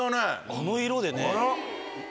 あの色でね。